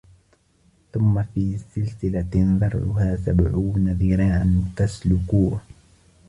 ثم في سلسلة ذرعها سبعون ذراعا فاسلكوه